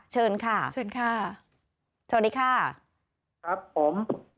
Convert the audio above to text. เชิญค่ะเชิญค่ะสวัสดีค่ะครับผม